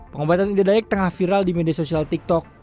pengobatan ida dayak tengah viral di media sosial tiktok